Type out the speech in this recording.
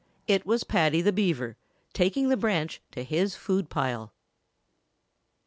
It was Paddy the Beaver taking the branch to his food pile.